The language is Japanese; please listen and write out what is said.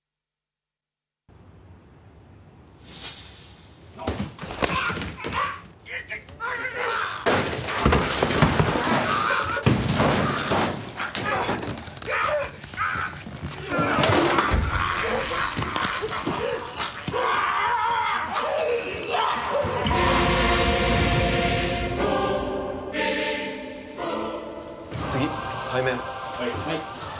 はい。